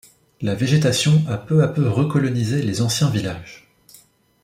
La végétation a peu à peu recolonisé les anciens villages.